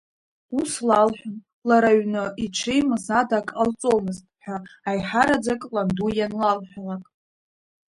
Ус лалҳәон лара аҩны, иҽеимз ада ак ҟалҵомызт ҳәа аиҳараӡак ланду ианлалҳәалак.